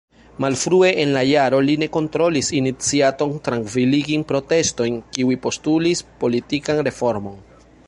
Malfrue en la jaro li ne kontrolis iniciatojn trankviligi protestojn kiuj postulis politikan reformon.